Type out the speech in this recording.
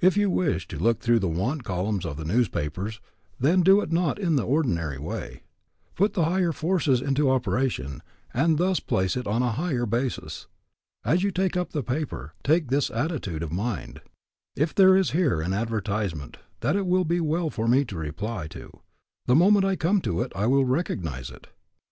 If you wish to look through the "want" columns of the newspapers, then do it not in the ordinary way. Put the higher forces into operation and thus place it on a higher basis. As you take up the paper, take this attitude of mind: If there is here an advertisement that it will be well for me to reply to, the moment I come to it I will recognize it.